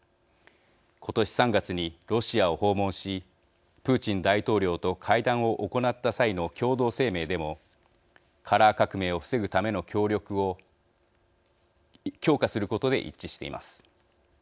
今年３月にロシアを訪問しプーチン大統領と会談を行った際の共同声明でもカラー革命を防ぐための協力を強化することで一致しています。